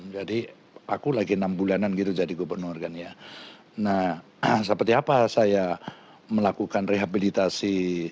seribu sembilan ratus sembilan puluh delapan jadi aku lagi enam bulanan gitu jadi gubernur kan ya nah seperti apa saya melakukan rehabilitasi